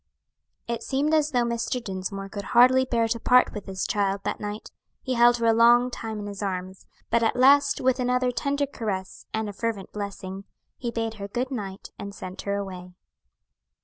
It seemed as though Mr. Dinsmore could hardly bear to part with his child that night; he held her a long time in his arms, but at last, with another tender caress, and a fervent blessing, he bade her good night and sent her away.